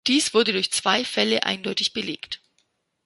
Dies wird durch zwei Fälle eindeutig belegt.